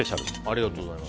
ありがとうございます。